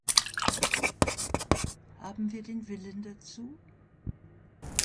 Haben wir den Willen dazu?